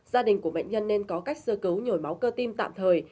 gia đình của bệnh nhân nên có cách sơ cứu nhồi máu cơ tim tạm thời